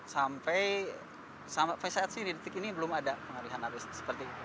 sampai saat ini belum ada pengaruhan arus seperti itu